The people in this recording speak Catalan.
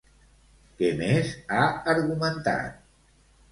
Què més ha argumentat?